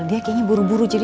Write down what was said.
dia kayaknya buru buru jadi